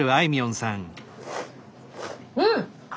うん！